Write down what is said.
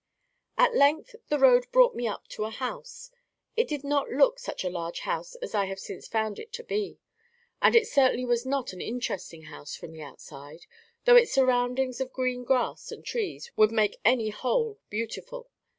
At length the road brought me up to the house. It did not look such a large house as I have since found it to be. And it certainly was not an interesting house from the outside, though its surroundings of green grass and trees would make any whole beautiful.